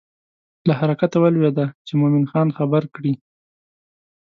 له حرکته ولوېدله چې مومن خان خبر کړي.